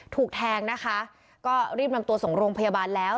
ถูกแทงนะคะก็รีบนำตัวส่งโรงพยาบาลแล้ว